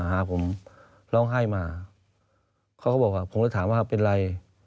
หาผมร้องไห้มาเขาก็บอกว่าผมเลยถามว่าเป็นไร